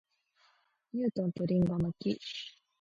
ニュートンと林檎の木